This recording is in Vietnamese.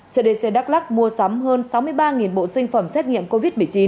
cdc đắk lắc mua sắm hơn sáu mươi ba bộ sinh phẩm xét nghiệm covid một mươi chín